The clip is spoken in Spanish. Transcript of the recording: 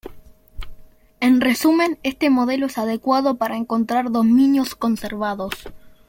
En resumen, este modelo es adecuado para encontrar dominios conservados.